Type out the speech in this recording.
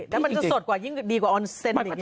แล้วมันจะสดกว่ายิ่งดีกว่าออนเซ็นต์อีก